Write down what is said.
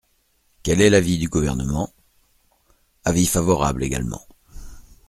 Quel est l’avis du Gouvernement ? Avis favorable également.